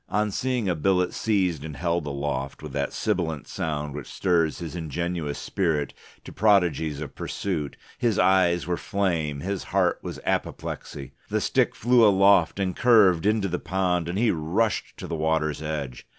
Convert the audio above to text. On seeing a billet seized and held aloft with that sibilant sound which stirs his ingenuous spirit to prodigies of pursuit, his eyes were flame, his heart was apoplexy. The stick flew aloft and curved into the pond, and he rushed to the water's edge.